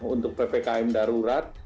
untuk ppkm darurat